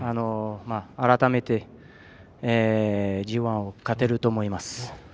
改めて、ＧＩを勝てると思います。